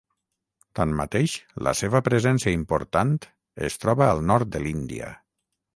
Tanmateix, la seva presència important es troba al nord de l'Índia.